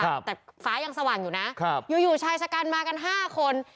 ครับแต่ฟ้ายังสว่างอยู่นะครับอยู่อยู่ชายชะกันมากันห้าคน